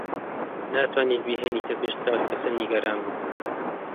ناتوانیت بیهێنیتە پێش چاوت کە چەند نیگەران بووم.